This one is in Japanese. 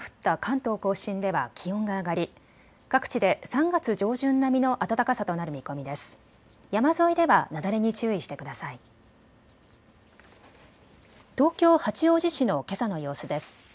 東京八王子市のけさの様子です。